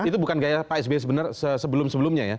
itu bukan gaya pak sby sebenarnya sebelum sebelumnya ya